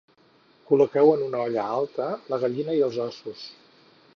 Col·loqueu en una olla alta la gallina i els ossos